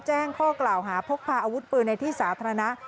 แจ้งข้อกล่าวหาพกพาอาวุธปืนในที่สาธารณะ